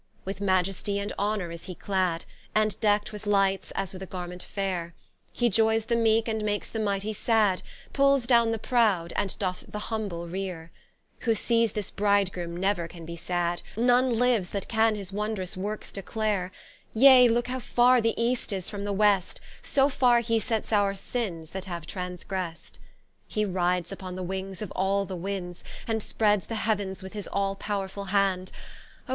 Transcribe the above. With Majestie and Honour is He clad, And deck'd with lights as with a garment faire; He joyes the Meeke, and makes the Mightie sad, Pulls downe the Prowd, and doth the Humble reare: Who sees this Bridegroome, never can be sad; None lives that can his wondrous workes declare: Yea, looke how farre the East is from the West, So farre he sets our sinnes that have transgrest. He rides vpon the wings of all the windes, And spreads the heav'ns with his all powrefull hand; Oh!